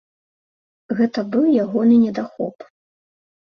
Гэта быў ягоны недахоп.